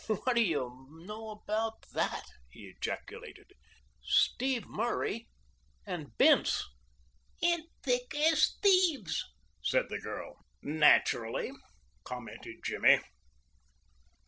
"What do you know about that?" he ejaculated. "Steve Murray and Bince!" "And thick as thieves," said the girl. "Naturally," commented Jimmy.